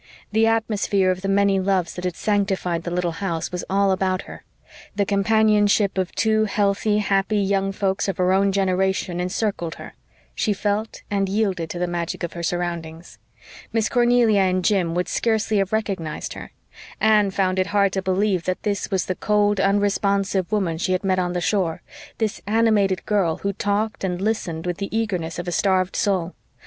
The atmosphere of the many loves that had sanctified the little house was all about her; the companionship of two healthy, happy, young folks of her own generation encircled her; she felt and yielded to the magic of her surroundings Miss Cornelia and Captain Jim would scarcely have recognized her; Anne found it hard to believe that this was the cold, unresponsive woman she had met on the shore this animated girl who talked and listened with the eagerness of a starved soul.